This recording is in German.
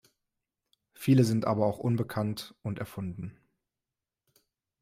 Viele sind aber auch unbekannt und erfunden.